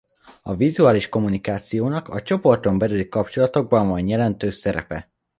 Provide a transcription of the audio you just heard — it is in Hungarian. A vizuális kommunikációnak a csoporton belüli kapcsolatokban van jelentős szerepe.